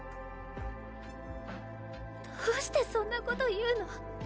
どうしてそんなこと言うの？